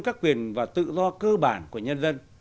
các quyền và tự do cơ bản của nhân dân